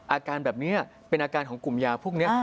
อาการแบบนี้เป็นอาการของกลุ่มยาพวกนี้